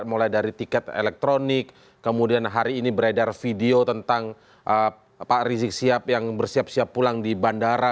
mulai dari tiket elektronik kemudian hari ini beredar video tentang pak rizik sihab yang bersiap siap pulang di bandara